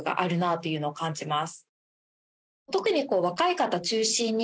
というのを感じます。